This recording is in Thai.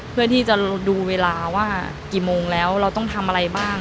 เพื่อที่จะดูเวลาว่ากี่โมงแล้วเราต้องทำอะไรบ้าง